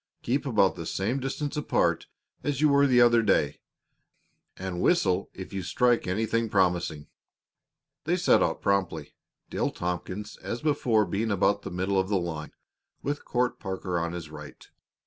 Keep about the same distance apart as you were the other day, and whistle if you strike anything promising." They set off promptly, Dale Tompkins as before being about the middle of the line, with Court Parker on his right.